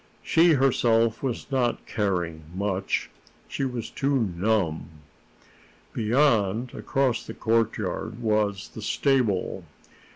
She herself was not caring much; she was too numb. Beyond, across the courtyard, was the stable.